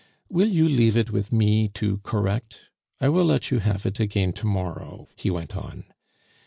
"Will you leave it with me to correct? I will let you have it again to morrow," he went on.